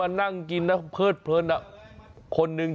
อารมณ์ของแม่ค้าอารมณ์การเสิรฟนั่งอยู่ตรงกลาง